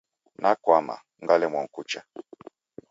Nakwama, ngalemwa kucha.